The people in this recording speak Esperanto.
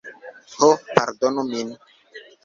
"Ho, pardonu min.